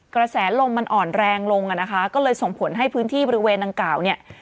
กระแสลมมันอ่อนแรงลงอ่ะนะคะก็เลยส่งผลให้พื้นที่บริเวณดังกล่าวเนี่ย